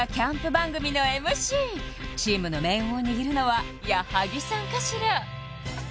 さすがチームの命運を握るのは矢作さんかしら？